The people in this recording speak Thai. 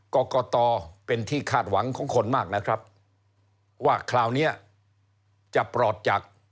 กรกตเป็นที่คาดหวังของคนมากนะครับว่าคราวนี้จะปลอดจาก